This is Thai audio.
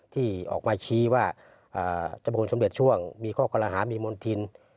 ที่ออกมาชี้ว่าเจ้าบูรณสมเด็จช่วงมีข้อคอรหามีมณฑิน